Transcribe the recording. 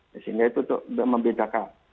di sini itu membidakan